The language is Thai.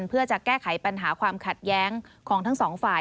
เพื่อจะแก้ไขปัญหาความขัดแย้งของทั้งสองฝ่าย